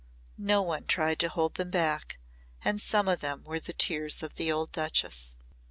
No one tried to hold them back and some of them were the tears of the old Duchess.